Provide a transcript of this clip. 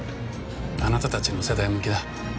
あなたたちの世代向きだ。